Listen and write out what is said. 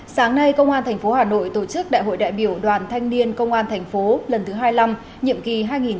sáng nay công an thành phố hà nội tổ chức đại hội đại biểu đoàn thanh niên công an thành phố lần thứ hai mươi năm nhiệm kỳ hai nghìn hai mươi hai hai nghìn hai mươi bảy